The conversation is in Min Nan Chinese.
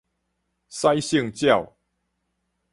使性鳥